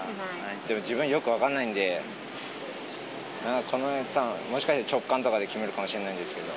でも自分、よく分からないので、もしかして直感とかで決めるかもしれないんですけど。